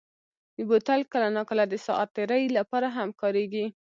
بوتل کله ناکله د ساعت تېرۍ لپاره هم کارېږي.